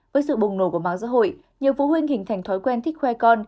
với sự bùng nổ của mạng xã hội nhiều phụ huynh hình thành thói quen thích khoe con